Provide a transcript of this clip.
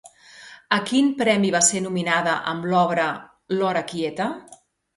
A quin premi va ser nominada amb l'obra L'hora quieta?